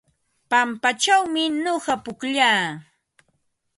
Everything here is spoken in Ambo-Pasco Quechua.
Pampachawmi nuqa pukllaa.